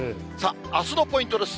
あすのポイントです。